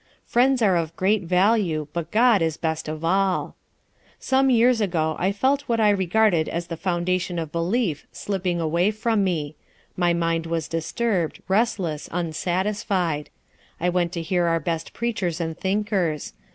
Friends are of great value, but God is best of all. "Some years ago I felt what I regarded as the foundation of belief slipping away from me. My mind was disturbed, restless, unsatisfied. I went to hear our best preachers and thinkers.